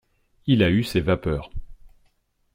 Il a eu ses vapeurs.